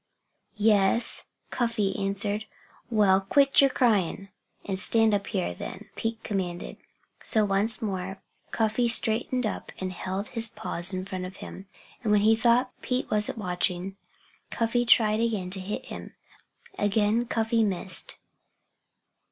"Y es!" Cuffy answered. "Well quit yer cryin' and stand up here, then," Pete commanded. So once more Cuffy straightened up and held his paws in front of him. And when he thought Pete wasn't watching, Cuffy tried again to hit him. Again Cuffy missed.